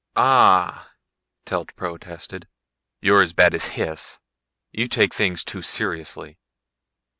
"Ahhh," Telt protested, "you're as bad as Hys. You take things too seriously."